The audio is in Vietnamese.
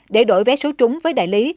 để đổi vé số trúng với đại lý